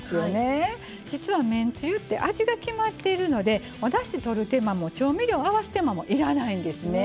実はめんつゆって味が決まっているのでおだしとる手間も調味料合わす手間もいらないんですね。